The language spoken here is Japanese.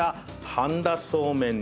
半田そうめん。